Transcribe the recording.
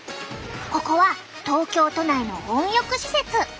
ここは東京都内の温浴施設。